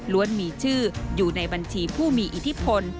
มีชื่ออยู่ในบัญชีผู้มีอิทธิพล